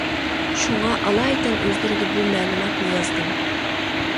شۇڭا ئالايىتەن ئۆزلىرىگە بۇ مەلۇماتنى يازدىم.